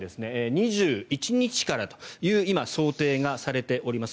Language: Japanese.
２１日からという今、想定がされております。